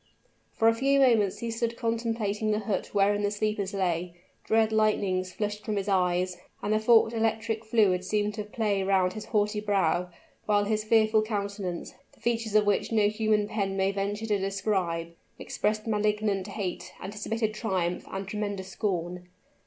For a few moments he stood contemplating the hut wherein the sleepers lay; dread lightnings flushed from his eyes, and the forked electric fluid seemed to play round his haughty brow, while his fearful countenance, the features of which no human pen may venture to describe, expressed malignant hate, anticipated triumph, and tremendous scorn.